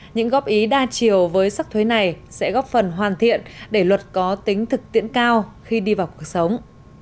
những góp ý đa chiều với sắc thuế này sẽ góp phần hoàn thiện để luật có tính thực tiễn cao khi đi vào cuộc sống